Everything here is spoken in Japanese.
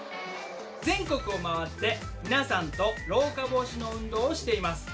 全国を回って皆さんと老化防止の運動をしています。